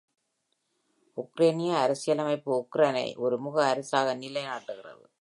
உக்ரேனிய அரசியலமைப்பு உக்ரைனை ஒருமுக அரசாக நிலைநாட்டுகிறது.